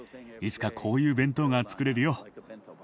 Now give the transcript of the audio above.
いつかこういう弁当がつくれるよ。